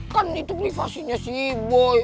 kan itu privasinya si boy